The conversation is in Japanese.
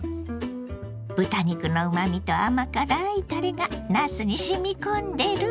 豚肉のうまみと甘辛いたれがなすにしみ込んでるわ。